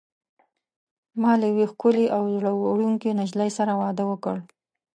ما له یوې ښکلي او زړه وړونکي نجلۍ سره واده وکړ.